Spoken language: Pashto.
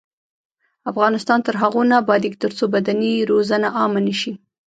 افغانستان تر هغو نه ابادیږي، ترڅو بدني روزنه عامه نشي.